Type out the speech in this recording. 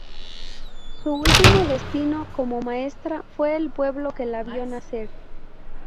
Su último destino, como maestra, fue el pueblo que la vio nacer.